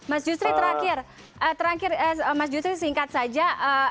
mas justri terakhir terakhir mas justri singkat saja